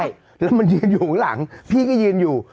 ได้แล้วมันยืนอยู่หลังพี่ก็ยืนอยู่